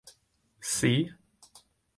See?